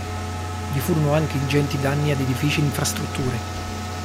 Vi furono anche ingenti danni ad edifici e infrastrutture.